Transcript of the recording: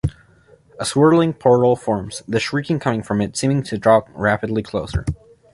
A swirling portal forms, the shrieking coming from it seeming to draw rapidly closer.